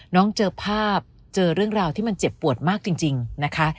น้องเจอภาพเจอเรื่องราวที่มันเจ็บปวดมากจริงนะคะ